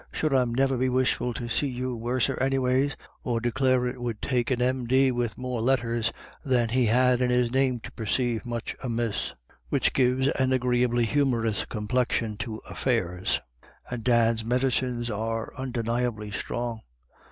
"Sure I'd niver be wishful to see you worser anyways," or declare it would take an 196 IRISH IDYLLS. M.D. with more letters than he had to his name to perceive much amiss, which gives an agreeably humorous complexion to affairs. And Dan's medicines are undeniably strong.